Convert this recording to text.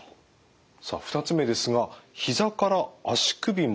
さあ２つ目ですが「ひざから足首までが腫れる」